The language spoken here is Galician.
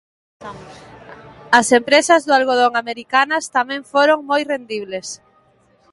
As empresas do algodón americanas tamén foron moi rendibles.